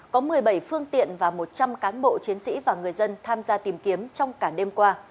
có một mươi bảy phương tiện và một trăm linh cán bộ chiến sĩ và người dân tham gia tìm kiếm trong cả đêm qua